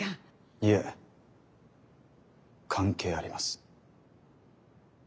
いえ関係あります。